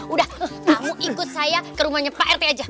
udah kamu ikut saya ke rumahnya pak rt aja